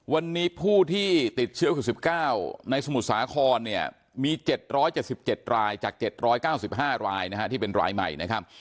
วันนี้ผู้ที่ติดเชื้อคลุก๑๙ในสมุดสาขอมี๗๗๗รายจาก๗๙๕รายที่เป็นรายใหม่